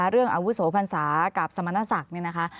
เรื่องอาวุศวภัณฑ์ศาสตร์กับสมรรถศักดิ์นี่นะคะ